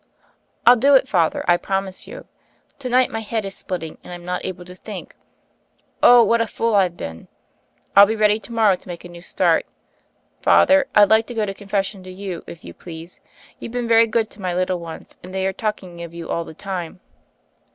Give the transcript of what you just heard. "I'll do it, Father, I promise you. To night my head is splitting, and I'm not able to think — Oh, what a fool I've been I I'll be ready to morrow to make a new start. Father, I'd like to go to confession to you, if you please ; you've been very good to my little ones, and they are talking of you all the time."